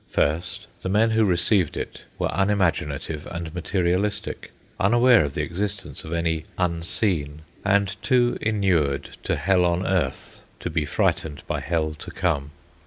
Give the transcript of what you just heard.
First, the men who received it were unimaginative and materialistic, unaware of the existence of any Unseen, and too inured to hell on earth to be frightened by hell to come.